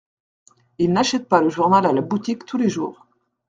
Ils n’achètent pas le journal à la boutique tous les jours.